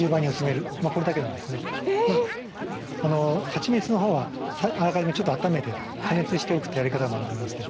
はちみつのほうはあらかじめちょっとあっためて加熱しておくってやり方もありまして。